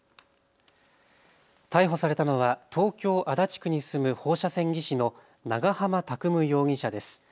逮捕されたのは東京足立区に住む放射線技師の長濱拓夢容疑者です。